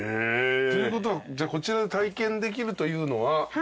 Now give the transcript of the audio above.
ということはじゃあこちらで体験できるというのは？